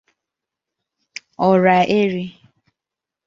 Ọra-Eri